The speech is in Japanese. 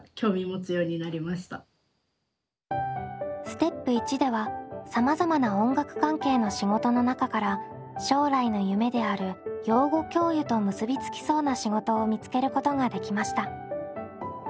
ステップ①ではさまざまな音楽関係の仕事の中から将来の夢である養護教諭と結びつきそうな仕事を見つけることができました。